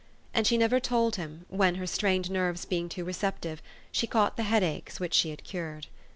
And she never told him, when, her strained nerves being too receptive, she caught the headaches which she had cured.